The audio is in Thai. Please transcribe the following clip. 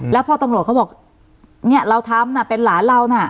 แล้วพอตำรวจเขาบอกเนี่ยเราทำน่ะเป็นหลานเราน่ะ